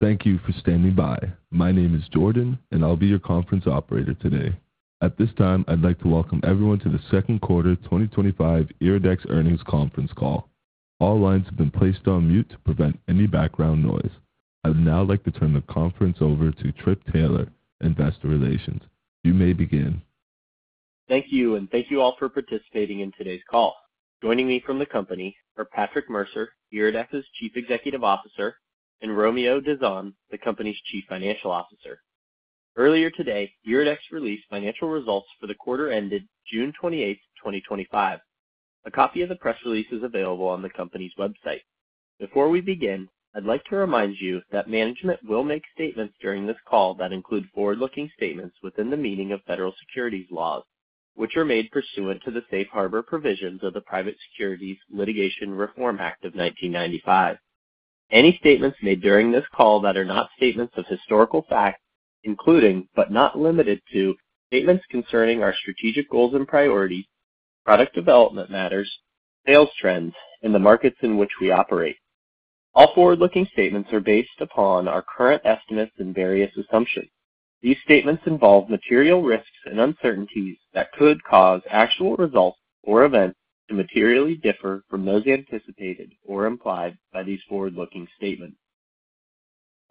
Thank you for standing by. My name is Jordan, and I'll be your Conference Operator today. At this time, I'd like to welcome everyone to the Second Quarter 2025 IRIDEX Earnings Conference Call. All lines have been placed on mute to prevent any background noise. I would now like to turn the conference over to Trip Taylor, Investor Relations. You may begin. Thank you, and thank you all for participating in today's call. Joining me from the company are Patrick Mercer, IRIDEX's Chief Executive Officer, and Romeo Dizon, the company's Chief Financial Officer. Earlier today, IRIDEX released financial results for the quarter ended June 28, 2025. A copy of the press release is available on the company's website. Before we begin, I'd like to remind you that management will make statements during this call that include forward-looking statements within the meaning of federal securities laws, which are made pursuant to the Safe Harbor provisions of the Private Securities Litigation Reform Act of 1995. Any statements made during this call that are not statements of historical facts, including, but not limited to, statements concerning our strategic goals and priorities, product development matters, sales trends, and the markets in which we operate, are forward-looking statements. All forward-looking statements are based upon our current estimates and various assumptions. These statements involve material risks and uncertainties that could cause actual results or events to materially differ from those anticipated or implied by these forward-looking statements.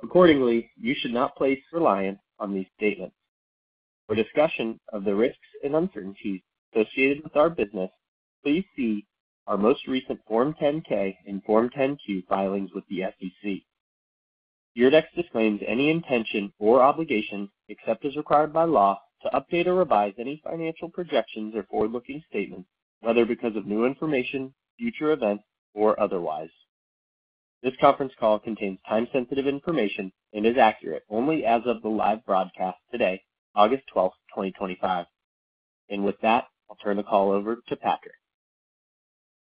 Accordingly, you should not place reliance on these statements. For discussion of the risks and uncertainties associated with our business, please see our most recent Form 10-K and Form 10-Q filings with the SEC. IRIDEX disclaims any intention or obligation, except as required by law, to update or revise any financial projections or forward-looking statements, whether because of new information, future events, or otherwise. This conference call contains time-sensitive information and is accurate only as of the live broadcast today, August 12, 2025. With that, I'll turn the call over to Patrick.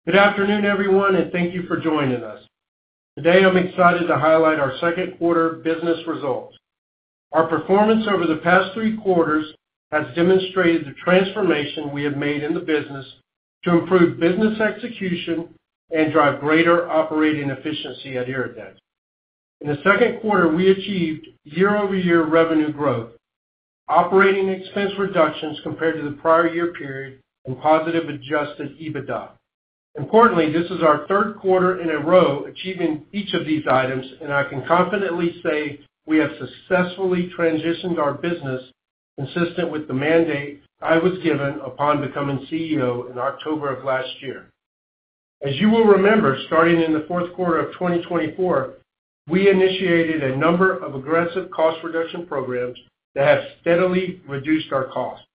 Good afternoon, everyone, and thank you for joining us. Today, I'm excited to highlight our second quarter business results. Our performance over the past three quarters has demonstrated the transformation we have made in the business to improve business execution and drive greater operating efficiency at IRIDEX. In the second quarter, we achieved year-over-year revenue growth, operating expense reductions compared to the prior year period, and positive adjusted EBITDA. Importantly, this is our third quarter in a row achieving each of these items, and I can confidently say we have successfully transitioned our business, consistent with the mandate I was given upon becoming CEO in October of last year. As you will remember, starting in the fourth quarter of 2024, we initiated a number of aggressive cost reduction programs that have steadily reduced our costs.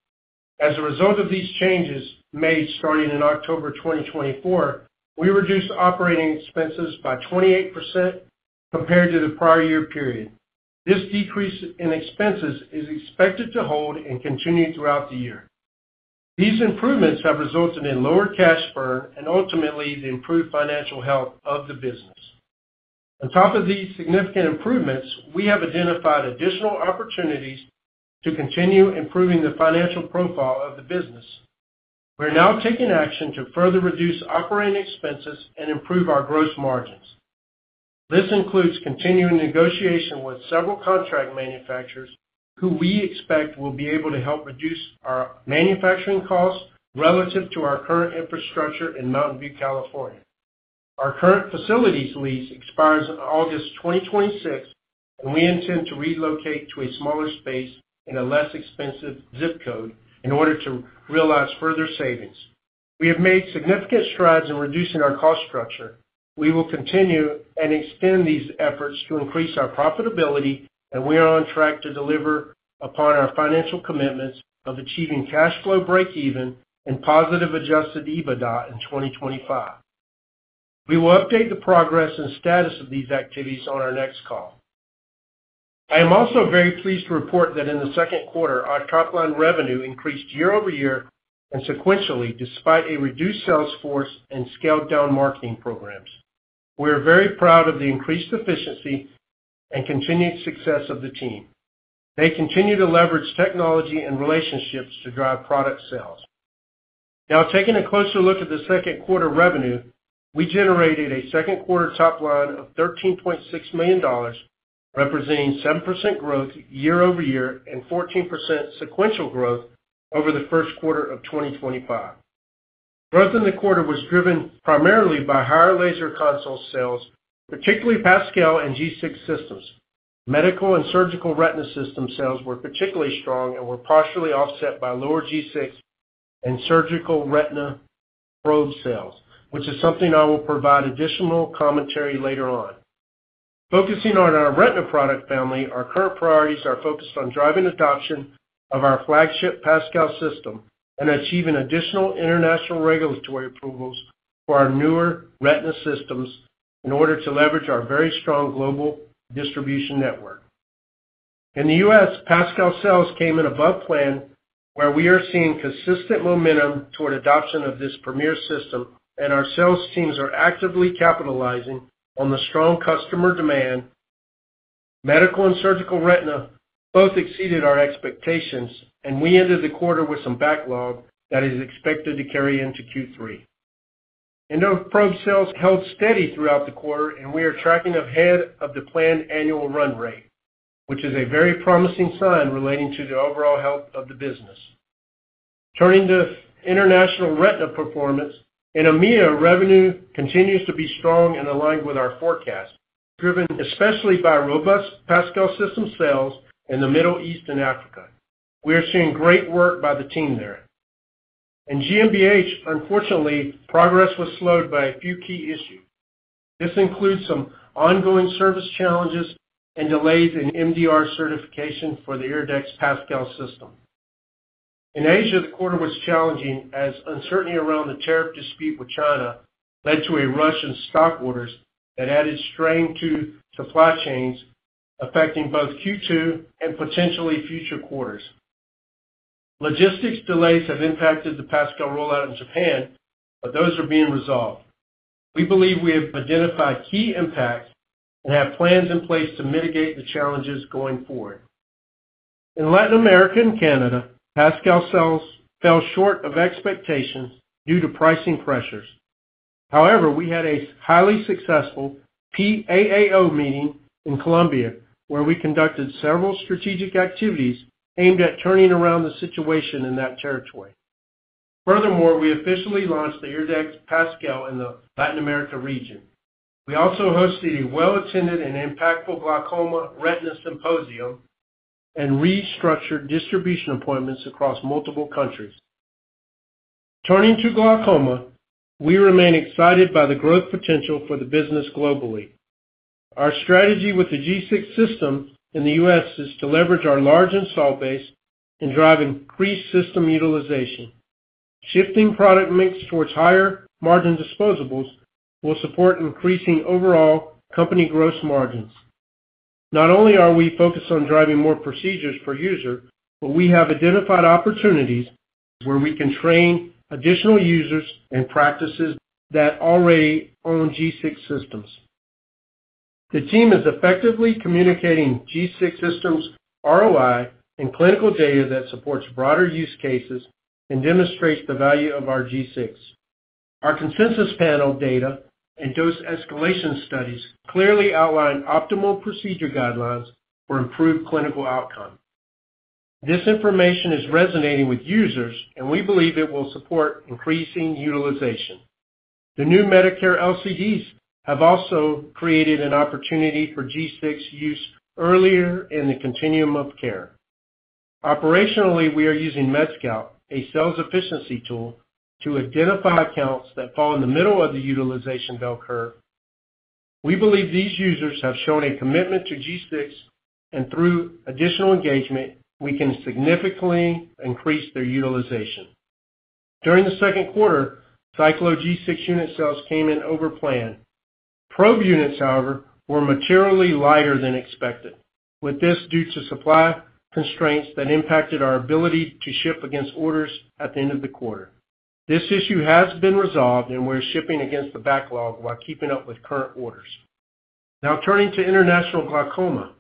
As a result of these changes made starting in October 2024, we reduced operating expenses by 28% compared to the prior year period. This decrease in expenses is expected to hold and continue throughout the year. These improvements have resulted in lower cash burn and ultimately the improved financial health of the business. On top of these significant improvements, we have identified additional opportunities to continue improving the financial profile of the business. We're now taking action to further reduce operating expenses and improve our gross margins. This includes continuing negotiation with several contract manufacturers who we expect will be able to help reduce our manufacturing costs relative to our current infrastructure in Mountain View, California. Our current facilities lease expires in August 2026, and we intend to relocate to a smaller space in a less expensive zip code in order to realize further savings. We have made significant strides in reducing our cost structure. We will continue and extend these efforts to increase our profitability, and we are on track to deliver upon our financial commitments of achieving cash flow breakeven and positive adjusted EBITDA in 2025. We will update the progress and status of these activities on our next call. I am also very pleased to report that in the second quarter, our top line revenue increased year over year and sequentially despite a reduced sales force and scaled down marketing programs. We are very proud of the increased efficiency and continued success of the team. They continue to leverage technology and relationships to drive product sales. Now, taking a closer look at the second quarter revenue, we generated a second quarter top line of $13.6 million, representing 7% growth year-over-year and 14% sequential growth over the first quarter of 2025. Growth in the quarter was driven primarily by higher laser console sales, particularly Pascal and Cyclo G6 systems. Medical and surgical retina system sales were particularly strong and were partially offset by lower Cyclo G6 and surgical retina probe sales, which is something I will provide additional commentary later on. Focusing on our retina product family, our current priorities are focused on driving adoption of our flagship Pascal system and achieving additional international regulatory approvals for our newer retina systems in order to leverage our very strong global distribution network. In the U.S., Pascal sales came in above plan, where we are seeing consistent momentum toward adoption of this premier system, and our sales teams are actively capitalizing on the strong customer demand. Medical and surgical retina both exceeded our expectations, and we ended the quarter with some backlog that is expected to carry into Q3. EndoProbe sales held steady throughout the quarter, and we are tracking ahead of the planned annual run rate, which is a very promising sign relating to the overall health of the business. Turning to international retina performance, in EMEA, revenue continues to be strong and aligned with our forecast, driven especially by robust Pascal system sales in the Middle East and Africa. We are seeing great work by the team there. In GmbH, unfortunately, progress was slowed by a few key issues. This includes some ongoing service challenges and delays in MDR certification for the IRIDEX Pascal system. In Asia, the quarter was challenging as uncertainty around the tariff dispute with China led to a rush in stock orders that added strain to supply chains, affecting both Q2 and potentially future quarters. Logistics delays have impacted the Pascal rollout in Japan, but those are being resolved. We believe we have identified key impacts and have plans in place to mitigate the challenges going forward. In Latin America and Canada, Pascal sales fell short of expectations due to pricing pressures. However, we had a highly successful PAAO meeting in Colombia, where we conducted several strategic activities aimed at turning around the situation in that territory. Furthermore, we officially launched the IRIDEX Pascal in the Latin America region. We also hosted a well-attended and impactful glaucoma retina symposium and restructured distribution appointments across multiple countries. Turning to glaucoma, we remain excited by the growth potential for the business globally. Our strategy with the Cyclo G6 system in the U.S. is to leverage our large install base and drive increased system utilization. Shifting product mix towards higher margin disposables will support increasing overall company gross margins. Not only are we focused on driving more procedures per user, but we have identified opportunities where we can train additional users and practices that already own Cyclo G6 systems. The team is effectively communicating Cyclo G6 system ROI and clinical data that supports broader use cases and demonstrates the value of our Cyclo G6. Our consensus panel data and dose escalation studies clearly outline optimal procedure guidelines for improved clinical outcome. This information is resonating with users, and we believe it will support increasing utilization. The new Medicare LCDs have also created an opportunity for Cyclo G6 use earlier in the continuum of care. Operationally, we are using MedScout, a sales efficiency tool, to identify accounts that fall in the middle of the utilization bell curve. We believe these users have shown a commitment to Cyclo G6, and through additional engagement, we can significantly increase their utilization. During the second quarter, Cyclo G6 unit sales came in over plan. Probe units, however, were materially lighter than expected. With this, due to supply constraints that impacted our ability to ship against orders at the end of the quarter, this issue has been resolved, and we're shipping against the backlog while keeping up with current orders. Now, turning to international glaucoma.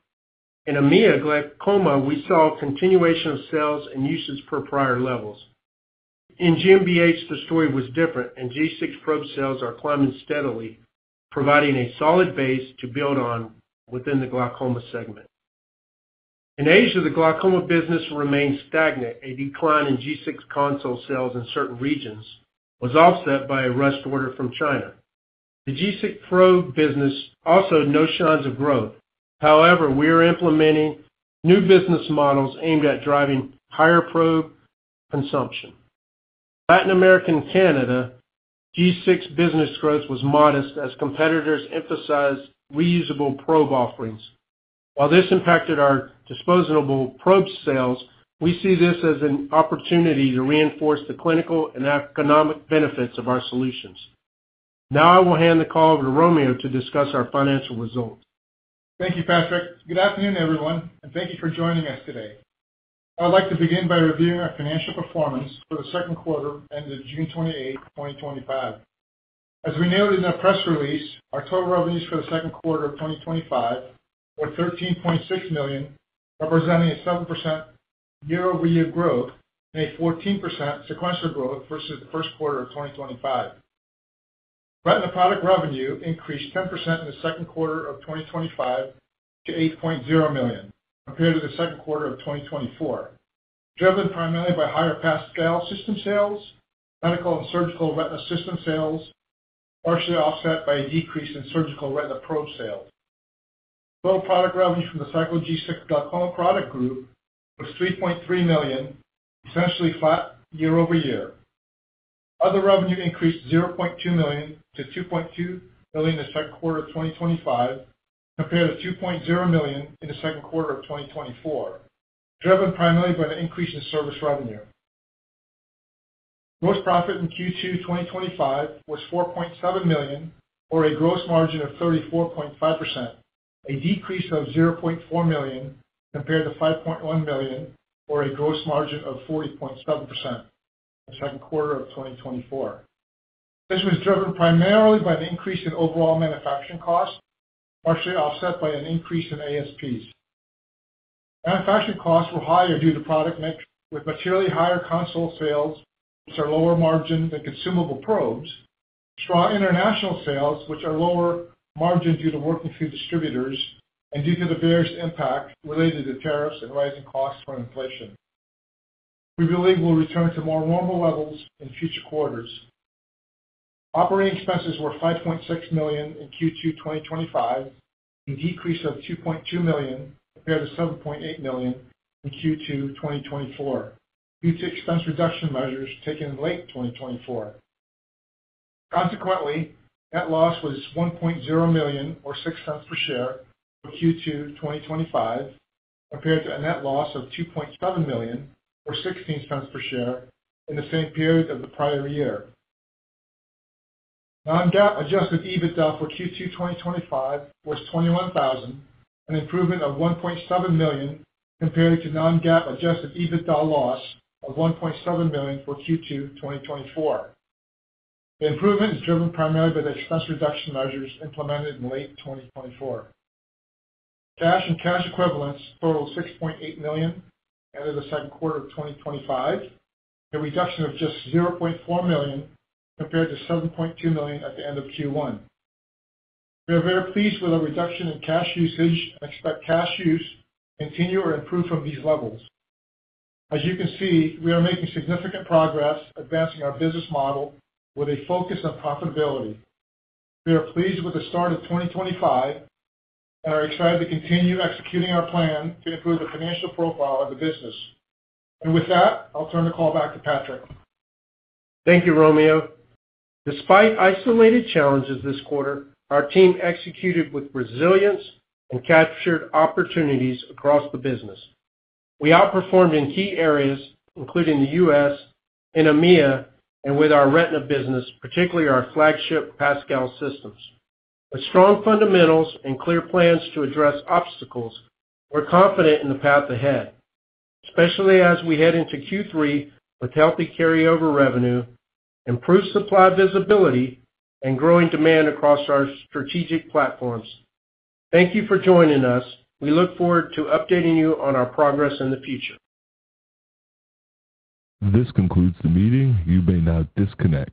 In EMEA glaucoma, we saw a continuation of sales and usage per prior levels. In GmbH, the story was different, and Cyclo G6 probe sales are climbing steadily, providing a solid base to build on within the glaucoma segment. In Asia, the glaucoma business remains stagnant. A decline in Cyclo G6 console sales in certain regions was offset by a rushed order from China. The Cyclo G6 probe business also had no signs of growth. However, we are implementing new business models aimed at driving higher probe consumption. In Latin America and Canada, Cyclo G6 business growth was modest as competitors emphasized reusable probe offerings. While this impacted our disposable probe sales, we see this as an opportunity to reinforce the clinical and economic benefits of our solutions. Now, I will hand the call over to Romeo to discuss our financial results. Thank you, Patrick. Good afternoon, everyone, and thank you for joining us today. I would like to begin by reviewing our financial performance for the second quarter ended June 28, 2025. As we noted in the press release, our total revenues for the second quarter of 2025 were $13.6 million, representing a 7% year-over-year growth and a 14% sequential growth versus the first quarter of 2025. Retina product revenue increased 10% in the second quarter of 2025 to $8.0 million, compared to the second quarter of 2024, driven primarily by higher Pascal system sales, medical and surgical retina system sales, partially offset by a decrease in surgical retina probe sales. Total product revenue from the Cyclo Cyclo G6 glaucoma product group was $3.3 million, essentially flat year-over-year. Other revenue increased $0.2 million-$2.2 million in the second quarter of 2025, compared to $2.0 million in the second quarter of 2024, driven primarily by the increase in service revenue. Gross profit in Q2 2025 was $4.7 million, or a gross margin of 34.5%, a decrease of $0.4 million compared to $5.1 million, or a gross margin of 40.7% in the second quarter of 2024. This was driven primarily by an increase in overall manufacturing costs, partially offset by an increase in ASPs. Manufacturing costs were higher due to product mix with materially higher console sales, which are lower margin than consumable probes, strong international sales, which are lower margin due to working through distributors, and due to the various impacts related to tariffs and rising costs from inflation. We believe we'll return to more normal levels in future quarters. Operating expenses were $5.6 million in Q2 2025, a decrease of $2.2 million compared to $7.8 million in Q2 2024, due to expense reduction measures taken in late 2024. Consequently, net loss was $1.0 million or $0.06 per share for Q2 2025, compared to a net loss of $2.7 million or $0.16 per share in the same period of the prior year. Non-GAAP adjusted EBITDA for Q2 2025 was $21,000, an improvement of $1.7 million compared to non-GAAP adjusted EBITDA loss of $1.7 million for Q2 2024. The improvement is driven primarily by the expense reduction measures implemented in late 2024. Cash and cash equivalents totaled $6.8 million at the end of the second quarter of 2025, a reduction of just $0.4 million compared to $7.2 million at the end of Q1. We are very pleased with the reduction in cash usage and expect cash use to continue or improve from these levels. As you can see, we are making significant progress advancing our business model with a focus on profitability. We are pleased with the start of 2025 and are excited to continue executing our plan to improve the financial profile of the business. With that, I'll turn the call back to Patrick. Thank you, Romeo. Despite isolated challenges this quarter, our team executed with resilience and captured opportunities across the business. We outperformed in key areas, including the U.S., in EMEA, and with our retina business, particularly our flagship Pascal systems. With strong fundamentals and clear plans to address obstacles, we're confident in the path ahead, especially as we head into Q3 with healthy carryover revenue, improved supply visibility, and growing demand across our strategic platforms. Thank you for joining us. We look forward to updating you on our progress in the future. This concludes the meeting. You may now disconnect.